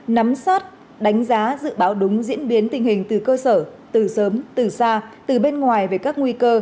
nắm sát đánh giá dự báo đúng diễn biến tình hình từ cơ sở từ sớm từ xa từ bên ngoài về các nguy cơ